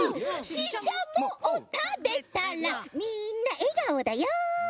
シシャモをたべたらみんなえがおだよ！